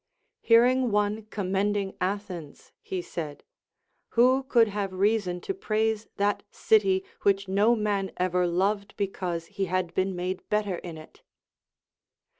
Hearing one commending Athens, he said. Who could have reason to praise that city Avhich no man ever loved because he had been made better in it